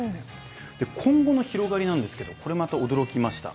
今後の広がりなんですけど、これまた驚きました。